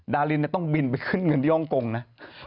ดารินต้องบินไปขึ้นเงินที่ฮ่องกงนะ